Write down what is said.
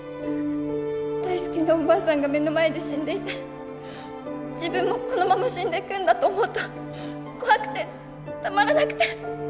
大好きなおばあさんが目の前で死んでいて自分もこのまま死んでいくんだと思うと怖くてたまらなくて。